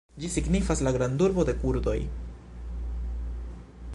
Ĝi signifas: la "grandurbo de kurdoj".